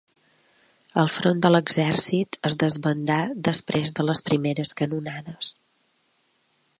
El front de l'exèrcit es desbandà després de les primeres canonades.